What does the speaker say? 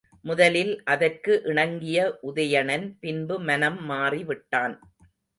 முதலில் அதற்கு இணங்கிய உதயணன் பின்பு மனம் மாறிவிட்டான்.